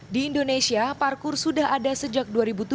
di indonesia parkur sudah ada sejak dua ribu tujuh